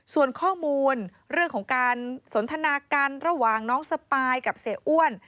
ส่วนข้อมูลเรื่องของการสนทนากันระหว่างน้องสปายกับเสียอ้วน